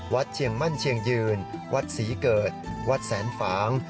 เชียงมั่นเชียงยืนวัดศรีเกิดวัดแสนฝาง